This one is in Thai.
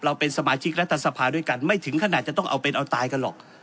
เราเป็นสมาชิกรัฐสภาด้วยกันไม่ถึงขนาดจะต้องเอาเป็นเอาตายกันหรอก